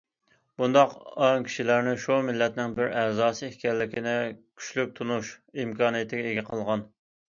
بۇنداق ئاڭ كىشىلەرنى شۇ مىللەتنىڭ بىر ئەزاسى ئىكەنلىكىنى كۈچلۈك تونۇش ئىمكانىيىتىگە ئىگە قىلغان.